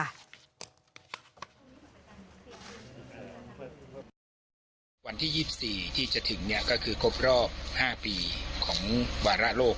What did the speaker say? วันที่๒๔ที่จะถึงก็คือครบรอบ๕ปีของวาระโลก